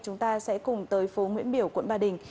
chúng ta sẽ cùng tới phố nguyễn biểu quận ba đình